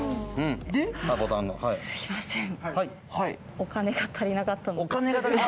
お金が足りなかった？